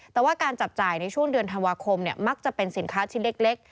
แต่ว่าการจับจ่ายในช่วงเดือนธันวาคมมักจะเป็นสินค้าชิ้นเล็ก